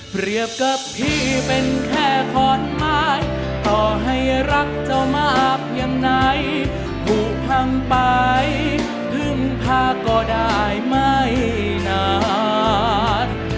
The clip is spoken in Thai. เปรียบกับพี่เป็นแค่ข้อนหมายต่อให้รักเจ้ามากยังไหนผู้พังไปพึ่งพาก็ได้ไม่นาน